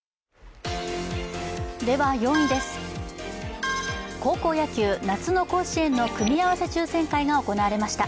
では４位です、高校野球、夏の甲子園の組み合わせ抽選会が行われました。